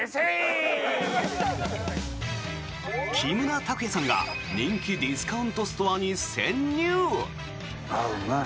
木村拓哉さんが人気ディスカウントストアに潜入！